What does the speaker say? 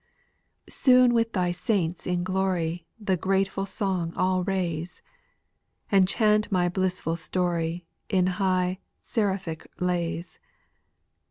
8. Soon with thy saints in glory The grateful song I '11 raise ; And chant my blissful story In high seraphic lays.